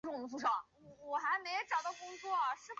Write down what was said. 佐洛韦格。